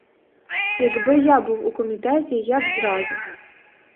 Якби я був у комітеті, я б зразу.